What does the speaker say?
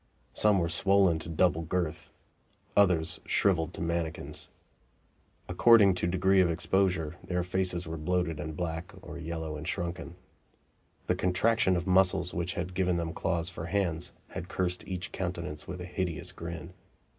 Some were swollen to double girth; others shriveled to manikins. According to degree of exposure, their faces were bloated and black or yellow and shrunken. The contraction of muscles which had given them claws for hands had cursed each countenance with a hideous grin.